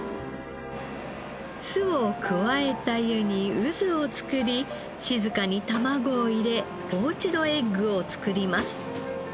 酢を加えた湯に渦を作り静かにたまごを入れポーチドエッグを作ります。